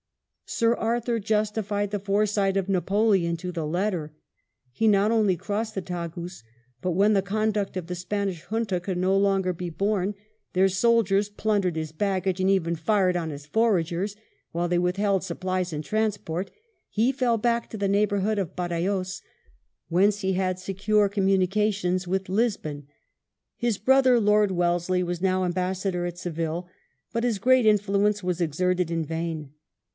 Sir Arthur justified the foresight of Napoleon to the letter. He not only crossed the Tagus, but when the conduct of the Spanish Junta could no longer be borne — their soldiers VI HIS COURSE VINDICATED BY NAPOLEON 127 plunderedhis baggage and even fired on his foragers, whfle they withheld supplies and transport — he fell back to the neighbourhood of Badajoz, whence he had secure com munications with Lisbon. His brother Lord Wellesley was now ambassador at Seville, but his great influence was exerted in vain.